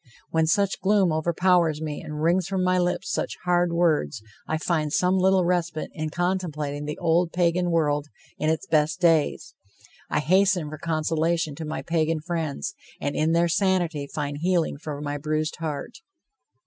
When such gloom overpowers me and wrings from my lips such hard words, I find some little respite in contemplating the old Pagan world in its best days. I hasten for consolation to my Pagan friends, and in their sanity find healing for my bruised heart.